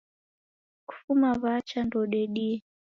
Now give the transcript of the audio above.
Kufuma wacha ndeudedie